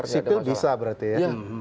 sipil bisa berarti ya